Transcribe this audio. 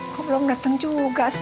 kok belum datang juga sih